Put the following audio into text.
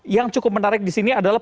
yang cukup menarik di sini adalah